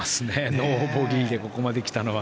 ノーボギーでここまで来たのは。